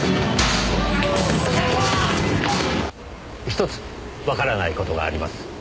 一つわからない事があります。